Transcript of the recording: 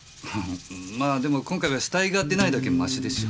まあでも今回は死体が出ないだけマシでしょ。